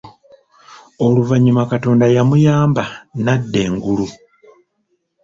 Oluvanyuma Katonda yamuyamba n’adda engulu.